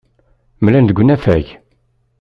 Mlalen deg unafag.